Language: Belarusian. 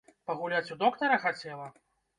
Пагуляць у доктара хацела?